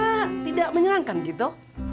atau kok tidak menyenangkan gitu